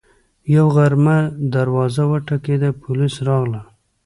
یوه غرمه دروازه وټکېده، پولیس راغلل